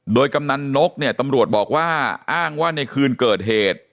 โดยกำนันนกเนี่ยตำรวจบอกว่าอ้างว่าในคืนเกิดเหตุ